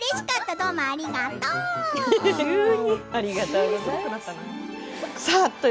どうもありがとう。